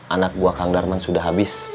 anak buah kang darman sudah habis